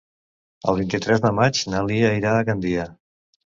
El vint-i-tres de maig na Lia irà a Gandia.